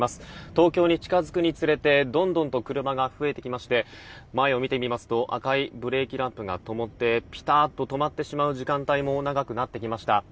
東京に近づくにつれてどんどんと車が増えてきまして前を見てみますと赤いブレーキランプがともってピタッと止まってしまう時間帯も長くなってきました。